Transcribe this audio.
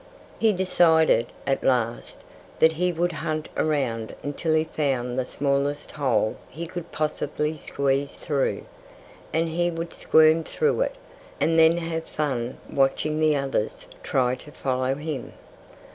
He decided, at last, that he would hunt around until he found the smallest hole he could possibly squeeze through, and he would squirm through it, and then have fun watching the others try to follow him.